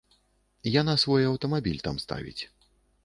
Яна свой аўтамабіль там ставіць.